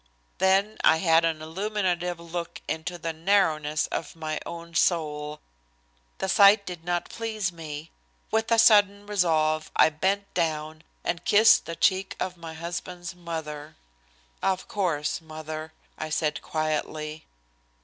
Then I had an illuminative look into the narrowness of my own soul. The sight did not please me. With a sudden resolve I bent down and kissed the cheek of my husband's mother. "Of course, Mother," I said quietly.